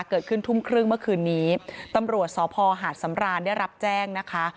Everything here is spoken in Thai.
เกิดขึ้นทุ่มครึ่งเมื่อคืนนี้ตำรวจสพหาดสำรานได้รับแจ้งนะคะ